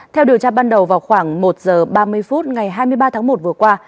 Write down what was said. theo điều tra ban đầu vào khoảng một giờ ba mươi phút ngày hai mươi ba tháng một vừa qua